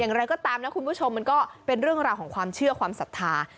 อย่างไรก็ตามนะคุณผู้ชมมันก็เป็นเรื่องราวของความเชื่อความศรัทธา